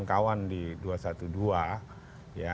pengajuan daripada kawan kawan di dua ratus dua belas